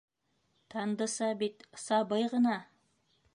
Таңдыса бит... сабый ғына!